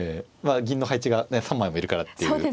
銀の配置が３枚もいるからっていう。